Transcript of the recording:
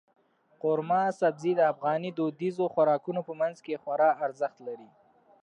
قورمه سبزي د افغاني دودیزو خوراکونو په منځ کې خورا ارزښت لري.